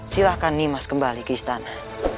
silahkan nimas kembali ke istana